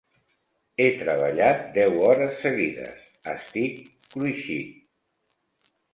He treballat deu hores seguides: estic cruixit!